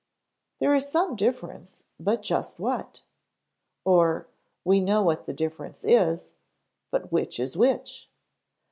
There is some difference; but just what? Or, we know what the difference is; but which is which?